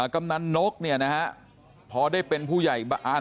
กำนันนกเนี่ยนะฮะพอได้เป็นผู้ใหญ่บ้าน